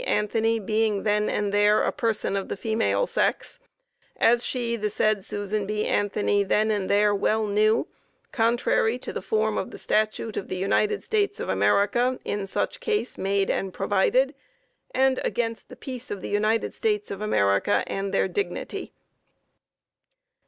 Anthony being then and there a person of the female sex,) as she, the said Susan B. Anthony then and there well knew, contrary to the form of the statute of the United States of America in such case made and provided, and against the peace of the United States of America and their dignity.